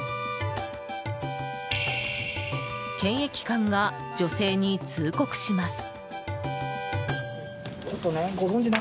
検疫官が女性に通告します。